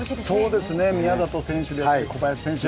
そうですね、宮里選手、小林選手。